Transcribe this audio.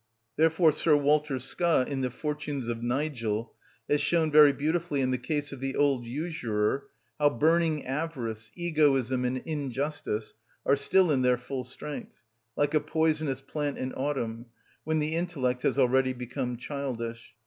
Therefore Sir Walter Scott, in the "Fortunes of Nigel," has shown very beautifully, in the case of the old usurer, how burning avarice, egoism, and injustice are still in their full strength, like a poisonous plant in autumn, when the intellect has already become childish.